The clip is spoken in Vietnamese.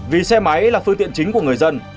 vì xe máy là phương tiện chính của người dân